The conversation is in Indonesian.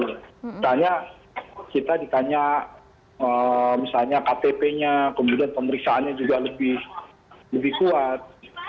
misalnya kita ditanya misalnya ktp nya kemudian pemeriksaannya juga lebih kuat